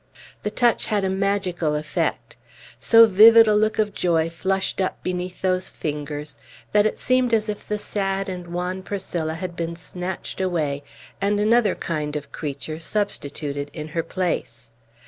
The touch had a magical effect. So vivid a look of joy flushed up beneath those fingers, that it seemed as if the sad and wan Priscilla had been snatched away, and another kind of creature substituted in her place.